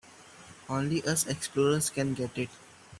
Only us explorers can get it.